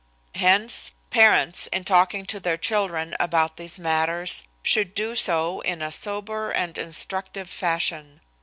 Hence, parents, in talking to their children about these matters should do so in a sober and instructive fashion.